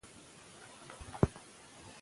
کله چې د ښځو ملاتړ موجود وي، تاوتريخوالی کمېږي.